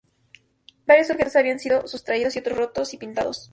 Varios objetos habían sido sustraídos y otros rotos o pintados.